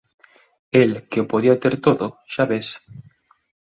El, que o podía ter todo, xa ves.